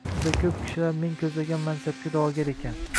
Juda koʻp kishilar men koʻzlagan mansabga daʼvogar ekan.